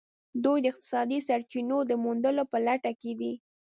دوی د اقتصادي سرچینو د موندلو په لټه کې دي